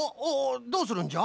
どうするんじゃ？